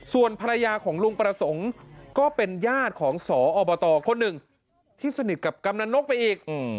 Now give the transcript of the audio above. ส่วนภรรยาของลุงประสงค์ก็เป็นญาติของสอบตคนหนึ่งที่สนิทกับกำนันนกไปอีก